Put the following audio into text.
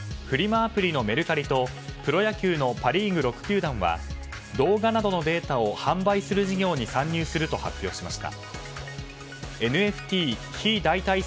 アプリのメルカリとプロ野球のパ・リーグ６球団は動画などのデータを販売する事業に参入すると発表しました。